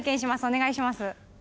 お願いします。